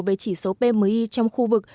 về chỉ số pmi trong khu vực